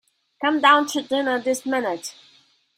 Come down to dinner this minute.